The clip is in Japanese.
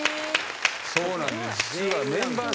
そうなんです。ね。